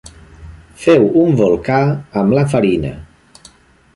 Feu un volcà amb la farina.